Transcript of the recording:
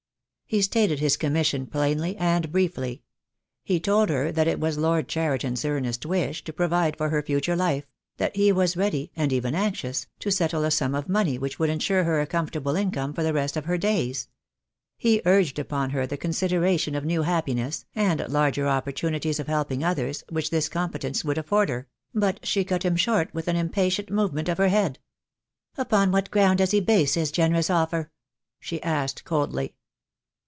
He stated his commission plainly and briefly. He told her that it was Lord Cheriton's earnest wish to pro vide for her future life — that he was ready, and even anxious, to settle a sum of money which would ensure her a comfortable income for the rest of her days. He urged upon her the consideration of new happiness, and larger opportunities of helping others, which this com petence would afford her; but she cut him short with an impatient movement of her head. "Upon what ground does he base his generous offer?" she asked coldly.